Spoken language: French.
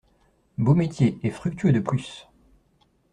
Beau métier, et fructueux, de plus!